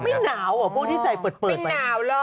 ไม่หนาวเหรอพวกที่ใส่เปิดไป